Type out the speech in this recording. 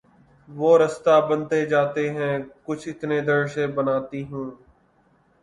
وہ رستہ بنتے جاتے ہیں کچھ اتنے در بناتی ہوں